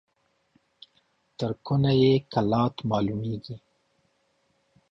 تر کونه يې کلات معلومېږي.